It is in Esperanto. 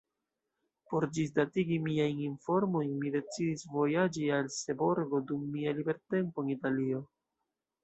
Por ĝisdatigi miajn informojn, mi decidis vojaĝi al Seborgo dum mia libertempo en Italio.